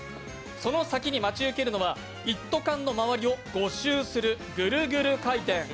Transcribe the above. その先に待ち受けるのは一斗缶の周りを５周するぐるぐる回転。